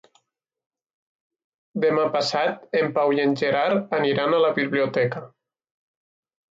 Demà passat en Pau i en Gerard aniran a la biblioteca.